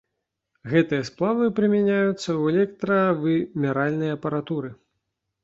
Гэтыя сплавы прымяняюцца ў электравымяральнай апаратуры.